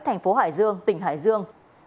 thành phố hải dương tỉnh hải dương